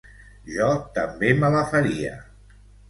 Jo també me la faria.